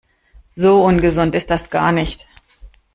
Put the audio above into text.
So ungesund ist das gar nicht.